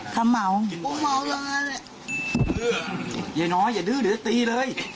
เขามัวในกระดูกไปกิน